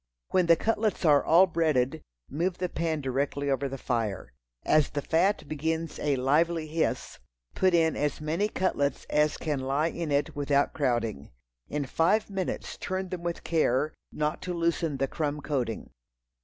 When the cutlets are all breaded, move the pan directly over the fire. As the fat begins a lively hiss, put in as many cutlets as can lie in it without crowding. In five minutes turn them with care, not to loosen the crumb coating.